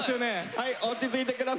はい落ち着いて下さい。